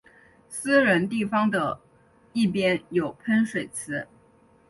私人地方的一边有喷水池。